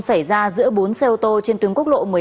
xảy ra giữa bốn xe ô tô trên tuyến quốc lộ